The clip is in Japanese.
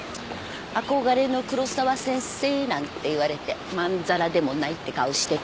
「憧れの黒沢先生」なんて言われてまんざらでもないって顔してた。